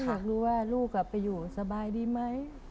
อยากรู้ว่าลูกไปอยู่สบายดีไหม